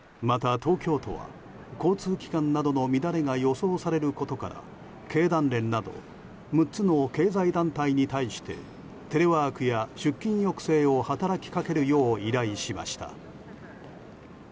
また東京都は交通機関などの乱れが予想されることから経団連など６つの経済団体に対してテレワークや出勤抑制を働きかけるよう依頼しました。